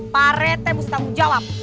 parete mesti tanggung jawab